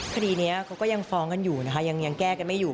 คดีนี้เขาก็ยังฟ้องกันอยู่นะคะยังแก้กันไม่อยู่